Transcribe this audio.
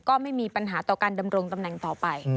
ก็ไม่มีปัญหาต่อการดำรงตำแหน่งต่อไป